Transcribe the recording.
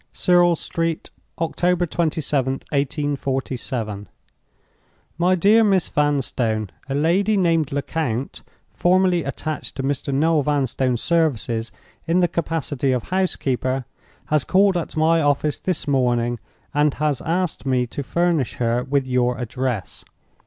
"Serle Street, October 27th. 1847. "MY DEAR MISS VANSTONE, "A lady named Lecount (formerly attached to Mr. Noel Vanstone's service in the capacity of housekeeper) has called at my office this morning, and has asked me to furnish her with your address.